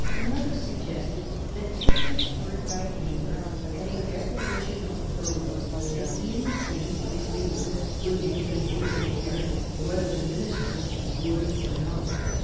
Another suggested that Pitt was spurred by anger at a declaration of Thurlow's that he and the King between them would make Hastings a peer, whether the minister would or no.